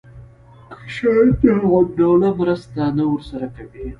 که شجاع الدوله مرسته نه ورسره کوي.